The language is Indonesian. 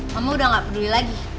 kamu udah gak peduli lagi